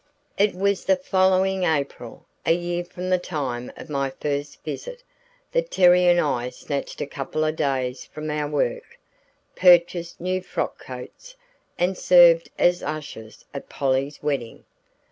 It was the following April a year from the time of my first visit that Terry and I snatched a couple of days from our work, purchased new frock coats, and served as ushers at Polly's wedding.